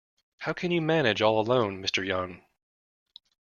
How can you manage all alone, Mr Young.